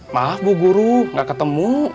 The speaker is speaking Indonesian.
maaf bu guru gak ketemu